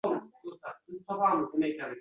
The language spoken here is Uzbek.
Erta tongda otasi ularni uyg`otdi